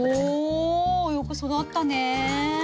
およく育ったね。